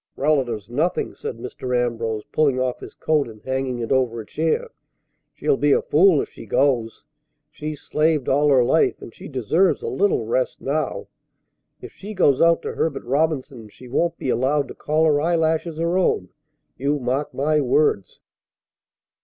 "Relatives nothing!" said Mr. Ambrose, pulling off his coat and hanging it over a chair. "She'll be a fool if she goes! She's slaved all her life, and she deserves a little rest now. If she goes out to Herbert Robinson's, she won't be allowed to call her eyelashes her own; you mark my words!"